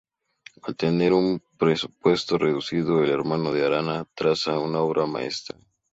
Al tener un presupuesto reducido, el hermano de Arana traza una obra maestra.